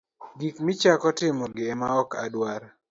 Gik michako timogi ema ok adwar.